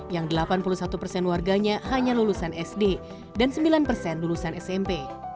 yang delapan puluh satu persen warganya hanya lulusan sd dan sembilan persen lulusan smp